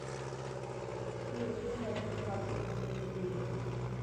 He was returned to Parliament on eight occasions.